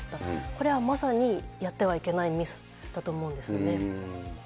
これはまさにやってはいけないミスだと思うんですよね。